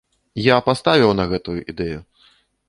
Я паставіў на гэтую ідэю!